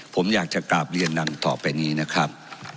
ผมอยากจะกราบเรียนดังต่อไปนี้นะครับ